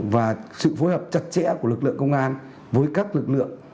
và sự phối hợp chặt chẽ của lực lượng công an với các lực lượng